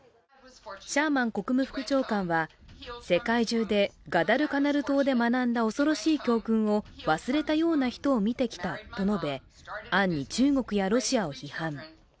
シャーマン国務副長官は世界中でガダルカナル島で学んだ恐ろしい教訓を忘れたような人を見てきたと述べ、暗に中国やロシアを批判。